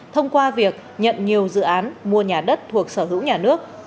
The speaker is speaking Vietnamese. thông qua việc nhận nhiều dự án mua nhà đất thuộc sở hữu nhà nước